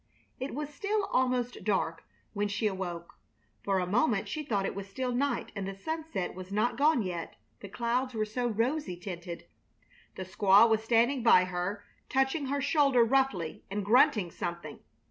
It was still almost dark when she awoke. For a moment she thought it was still night and the sunset was not gone yet, the clouds were so rosy tinted. The squaw was standing by her, touching her shoulder roughly and grunting something.